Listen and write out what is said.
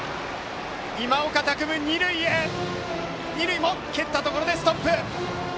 今岡拓夢、二塁を蹴ったところでストップ。